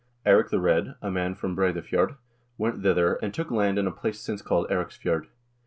Eirik the Red, a man from Breidafjord, went thither, and took land in a place since called Eiriksfjord.